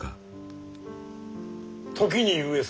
時に上様。